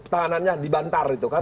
tahanannya dibantar gitu kan